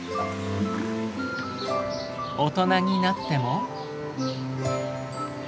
大人になっても。